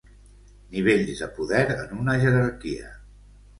Nivells de poder en una jerarquia.